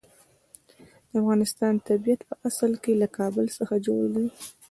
د افغانستان طبیعت په اصل کې له کابل څخه جوړ دی.